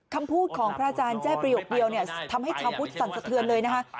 คำพูดของพระอาจารย์แจ้เปรี้ยวทำให้ชาวพุทธสั่นสะเทือนเลยนะฮะ